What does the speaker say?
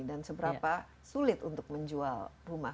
dan seberapa sulit untuk menjual rumah